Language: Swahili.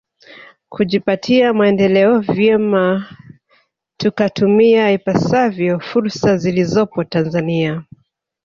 Kujipatia maendeleo vyema tukatumia ipasavyo fursa zilizopo Tanzania